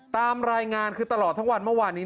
ตามรายงานคือตลอดทั้งวันเมื่อวานนี้